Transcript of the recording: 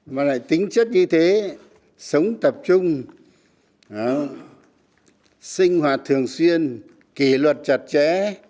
mà lại tính chất như thế sống tập trung sinh hoạt thường xuyên kỷ luật chặt chẽ